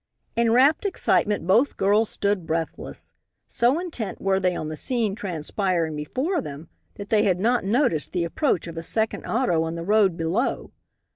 In wrapt excitement both girls stood breathless. So intent were they on the scene transpiring before them that they had not noticed the approach of a second auto on the road below.